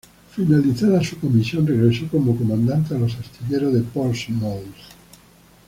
Finalizada su comisión, regresó como comandante a los astilleros de Portsmouth.